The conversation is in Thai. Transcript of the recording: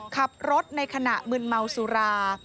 ขับรถในขณะมึนเมาสุรา